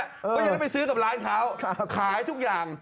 ก็จะได้ไปซื้อกับร้านเขาขายทุกอย่าง